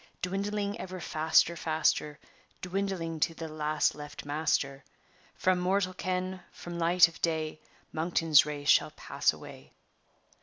Dwindling ever faster, faster, Dwindling to the last left master; From mortal ken, from light of day, Monkton's race shall pass away."